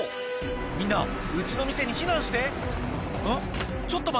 みんなうちの店に避難して」